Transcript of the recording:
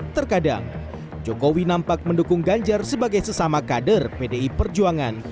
terkadang jokowi nampak mendukung ganjar sebagai sesama kader pdi perjuangan